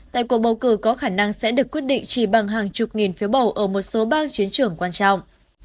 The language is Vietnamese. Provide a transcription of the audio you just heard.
tại cuộc bầu cử có khả năng sẽ được quyết định chỉ bằng hàng chục nghìn phiếu bầu ở một số bang chiến trường quan trọng